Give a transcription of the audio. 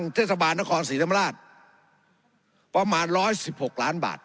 เงินให้กับทางเจศบาลนครศรีธรรมราชประมาณร้อยสิบหกล้านบาท